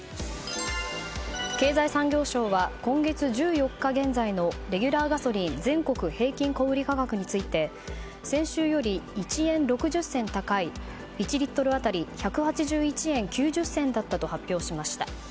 経済産業省は今月１４日現在のレギュラーガソリン全国平均小売価格について先週より１円６０銭高い１リットル当たり１８１円９０銭だったと発表しました。